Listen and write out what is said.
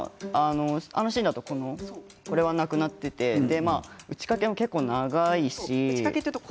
あのシーンだとこれはなくなっていて打ち掛けも結構、長いし打ち掛けは。